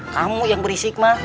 kamu yang berisik mah